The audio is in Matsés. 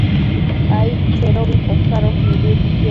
aidchedobi posadosh nibëdquiec